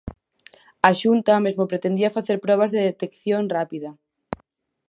A Xunta mesmo pretendía facer probas de detección rápida.